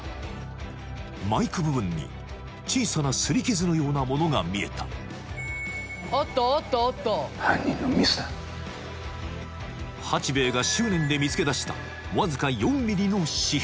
マイク部分に小さなすり傷のようなものが見えた八兵衛が執念で見つけだしたわずか４ｍｍの紙片